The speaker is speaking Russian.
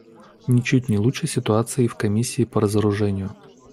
Ничуть не лучше ситуация и в Комиссии по разоружению.